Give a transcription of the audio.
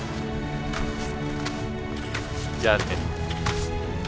じゃあね。